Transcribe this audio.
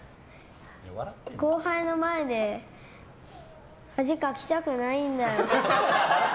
後輩の前で恥かきたくないんだよ。